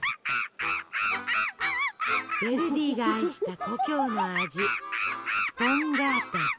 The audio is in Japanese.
ヴェルディが愛した故郷の味スポンガータ。